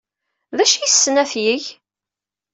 D acu ay yessen ad t-yeg?